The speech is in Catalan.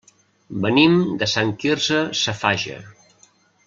Venim de Sant Quirze Safaja.